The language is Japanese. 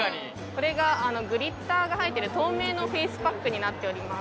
・これがグリッターが入ってる透明のフェイスパックになっております